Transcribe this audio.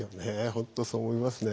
ほんとそう思いますね。